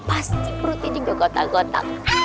pasti perutnya juga gotak gotak